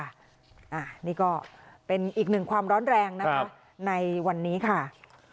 อันนี้ก็เป็นอีกหนึ่งความร้อนแรงนะคะในวันนี้ค่ะ